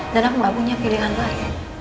dan aku gak punya pilihan lain